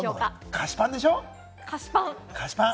菓子パンでしょ？